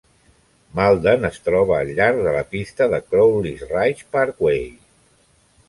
Malden es troba al llarg de la pista de Crowley's Ridge Parkway.